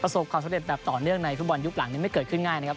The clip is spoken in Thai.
ความสำเร็จแบบต่อเนื่องในฟุตบอลยุคหลังนี้ไม่เกิดขึ้นง่ายนะครับ